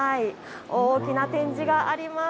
大きな展示があります。